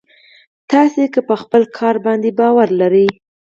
تاسې که په خپل کار باندې باور لرئ.